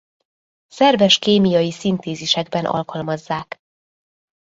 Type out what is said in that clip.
Szerves kémiai szintézisekben alkalmazzák.